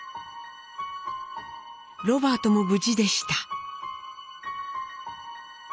ロバートも無事でした。